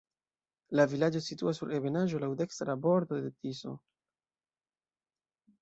La vilaĝo situas sur ebenaĵo, laŭ dekstra bordo de Tiso.